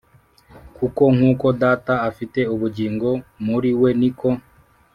kuko nk uko Data afite ubugingo muri we ni ko